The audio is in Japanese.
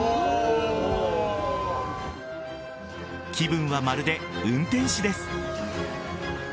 気分はまるで運転士です。